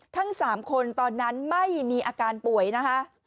ทั้ง๓คนตอนนั้นไม่มีอาการป่วยนะคะ